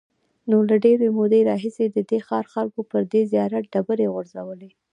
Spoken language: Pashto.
نو له ډېرې مودې راهیسې د دې ښار خلکو پر دې زیارت ډبرې غورځولې.